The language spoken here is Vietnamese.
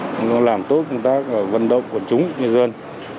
công an làm tốt công tác vận động quần chúng nhân dân